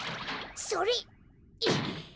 それ！